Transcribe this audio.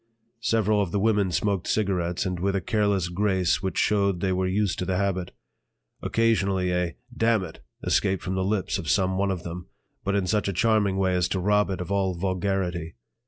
Several of the women smoked cigarettes, and with a careless grace which showed they were used to the habit. Occasionally a "Damn it!" escaped from the lips of some one of them, but in such a charming way as to rob it of all vulgarity.